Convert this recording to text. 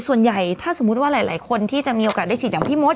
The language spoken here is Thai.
ส่วนใหญ่ถ้าสมมุติว่าหลายคนที่จะมีโอกาสได้ฉีดอย่างพี่มด